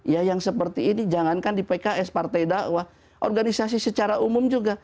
ya yang seperti ini jangankan di pks partai dakwah organisasi secara umum juga